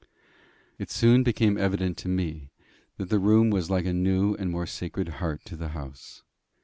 It soon became evident to me that that room was like a new and more sacred heart to the house.